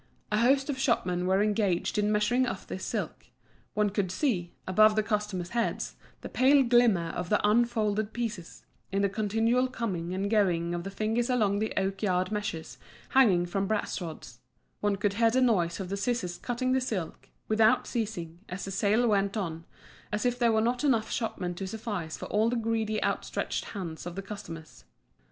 A host of shopmen were engaged in measuring off this silk; one could see, above the customers heads, the pale glimmer of the unfolded pieces, in the continual coming and going of the fingers along the oak yard measures hanging from brass rods; one could hear the noise of the scissors cutting the silk, without ceasing, as the sale went on, as if there were not enough shopmen to suffice for all the greedy outstretched hands of the customers.